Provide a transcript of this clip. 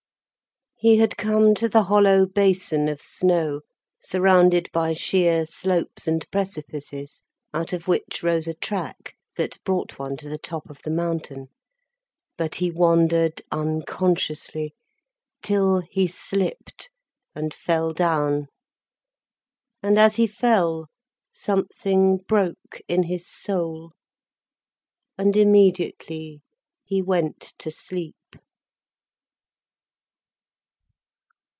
He had come to the hollow basin of snow, surrounded by sheer slopes and precipices, out of which rose a track that brought one to the top of the mountain. But he wandered unconsciously, till he slipped and fell down, and as he fell something broke in his soul, and immediately he went to sleep.